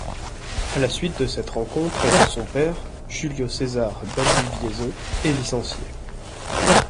À la suite de cette rencontre, son père, Julio César Baldivieso, est licencié.